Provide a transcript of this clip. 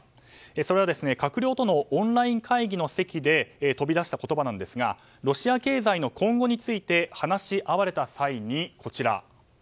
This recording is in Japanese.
それは閣僚とのオンライン会議の席で飛び出した言葉なんですがロシア経済の今後について話し合われた際に、こちら。